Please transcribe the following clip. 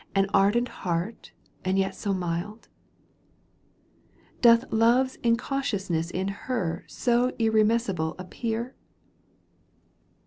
An ardent heart and yet so mild ?— Doth love's incautiousness in her So irremissible appear?